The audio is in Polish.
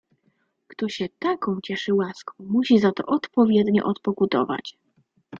"Kto się taką cieszy łaską, musi za to odpowiednio odpokutować."